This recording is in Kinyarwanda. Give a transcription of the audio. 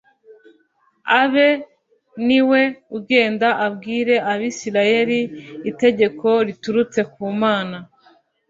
abe ari we ugenda abwire abisirayeli itegeko riturutse kumana